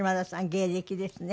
芸歴ですね。